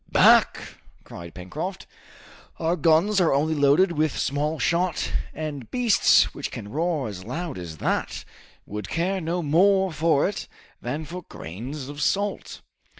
"Back!" cried Pencroft. "Our guns are only loaded with small shot, and beasts which can roar as loud as that would care no more for it than for grains of salt!"